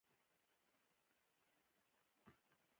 فالوده د دوبي یو خوږ خوراک دی